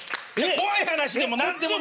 怖い話でも何でもない！